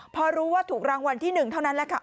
พอรู้ว่าถูกรางวัลที่๑เท่านั้นแหละค่ะ